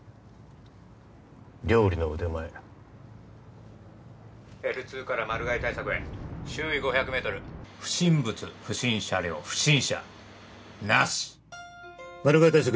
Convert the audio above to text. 料理の腕前Ｌ２からマル害対策へ周囲５００メートル不審物不審車両不審者なしマル害対策